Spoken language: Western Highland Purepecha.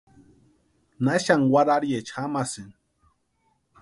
¿Na xani warhariecha jamasïni?